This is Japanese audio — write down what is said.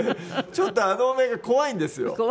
ちょっとあのお面が怖いんですよ。